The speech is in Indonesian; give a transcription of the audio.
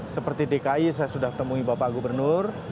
seperti dki saya sudah temui bapak gubernur